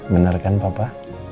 bener kan papa